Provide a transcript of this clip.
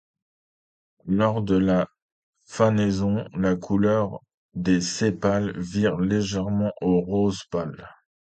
Lors de la fanaison la couleur des sépales vire légèrement au rose pale.